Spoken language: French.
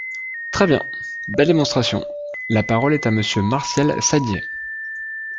Très bien ! Belle démonstration ! La parole est à Monsieur Martial Saddier.